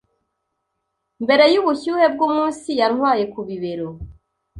mbere yubushyuhe bwumunsi Yantwaye ku bibero